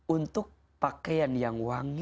untuk pakaian yang wangi